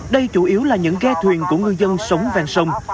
đây chủ yếu là những ghe thuyền của ngư dân sống ven sông